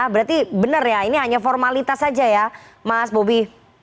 berarti benar ya ini hanya formalitas saja ya mas bobi